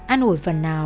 an ủi phần nào